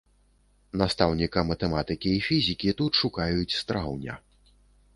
Настаўніка матэматыкі і фізікі тут шукаюць з траўня.